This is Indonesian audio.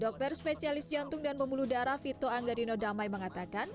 dokter spesialis jantung dan pembuluh darah vito anggarino damai mengatakan